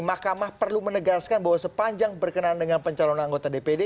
makamah perlu menegaskan bahwa sepanjang berkenaan dengan pencalon anggota dpd